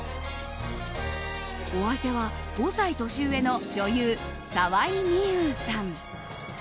お相手は、５歳年上の女優・沢井美優さん。